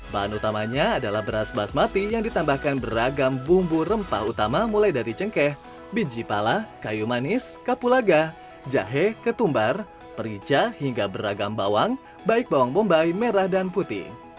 bahan utamanya adalah beras basmati yang ditambahkan beragam bumbu rempah utama mulai dari cengkeh biji pala kayu manis kapulaga jahe ketumbar perica hingga beragam bawang baik bawang bombay merah dan putih